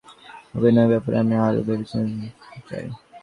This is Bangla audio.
কিন্তু তার পরও চলচ্চিত্রে অভিনয়ের ব্যাপারে আমি আরও ভেবেচিন্তে সিদ্ধান্ত নিতে চাই।